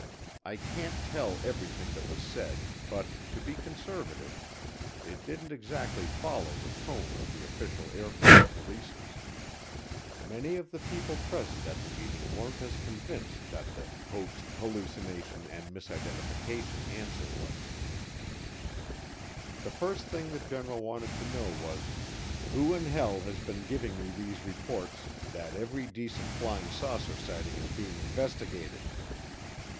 I can't tell everything that was said but, to be conservative, it didn't exactly follow the tone of the official Air Force releases many of the people present at the meeting weren't as convinced that the "hoax, hallucination, and misidentification" answer was The first thing the general wanted to know was, "Who in hell has been giving me these reports that every decent flying saucer sighting is being investigated?"